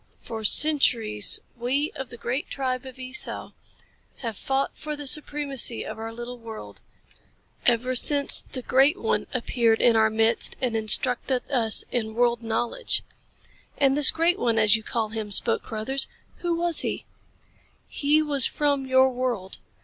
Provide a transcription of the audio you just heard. "For centuries, we of the great tribe of Esau have fought for the supremacy of our little world ever since the Great One appeared in our midst and instructed us in world knowledge." "And this Great One, as you call him," spoke Carruthers. "Who was he?" "He was from your world.